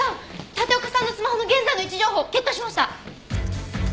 立岡さんのスマホの現在の位置情報ゲットしました。